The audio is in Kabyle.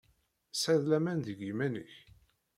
Tesɛid laman deg yiman-nnek?